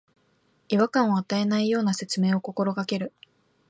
違和感を与えないような説明を心がける